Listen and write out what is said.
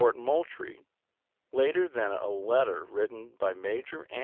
cott Moultrie later than a letter written by Major An ^dSftfs1?!